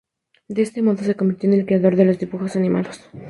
De este modo se convirtió en el creador de los dibujos animados.